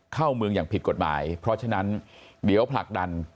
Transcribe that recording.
เข้าเมืองอย่างผิดกฎหมายเพราะฉะนั้นเดี๋ยวผลักดัน